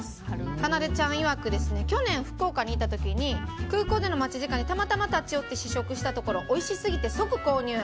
かなでちゃん曰く去年福岡に行った時に空港での待ち時間でたまたま立ち寄って試食したところおいしすぎて即購入。